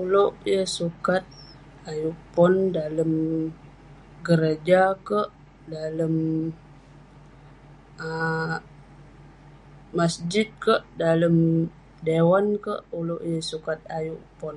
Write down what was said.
Ulouk yeng sukat ayuk pon dalem keroja kerk, dalem um masjid kerk, dalem dewan kerk.. ulouk yeng sukat ayuk pon..